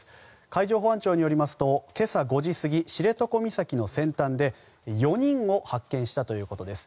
海上保安庁によりますと今朝５時過ぎ知床岬の先端で４人を発見したということです。